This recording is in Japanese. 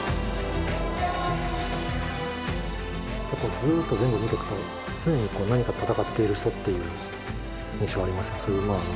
ずっと全部見てくと常に何か戦っている人っていう印象がありますね。